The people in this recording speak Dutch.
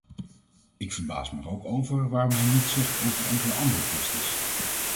Ik verbaas me er ook over waarom hij niets zegt over enkele andere kwesties.